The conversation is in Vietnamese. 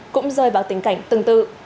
cũng rơi vào tình cảnh tương tự